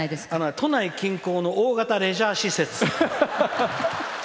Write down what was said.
都内近郊の大型レジャー施設って。